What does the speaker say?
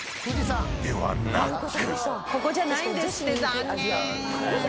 ［ではなく］